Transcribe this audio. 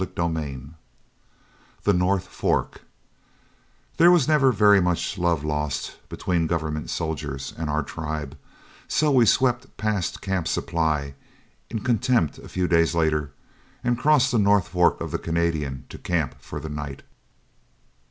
CHAPTER XII THE NORTH FORK There was never very much love lost between government soldiers and our tribe, so we swept past Camp Supply in contempt a few days later, and crossed the North Fork of the Canadian to camp for the night.